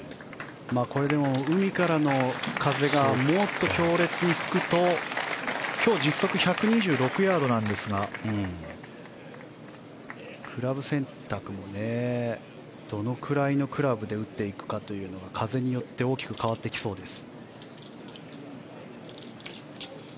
でも、海からの風がもっと強烈に吹くと今日、実測１２６ヤードですがクラブ選択も、どのくらいのクラブで打っていくかは風によって大きく変わってきそうです。